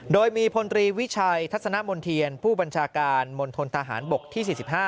โดยมีพลตรีวิชัยทัศนมณ์เทียนผู้บัญชาการมณฑนทหารบกที่๔๕